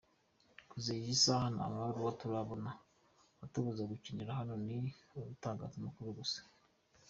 Kugeza iyi saha nta baruwa turabona itubuza gukinira hano, ni mu itangazamakuru gusa.